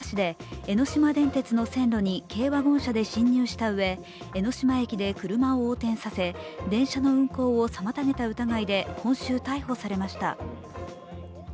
今年４月、神奈川県藤沢市で江ノ島電鉄の線路に軽ワゴン車で進入したうえ、江ノ島駅で車を横転させ電車の運行を妨げた疑いで今週、逮捕されました。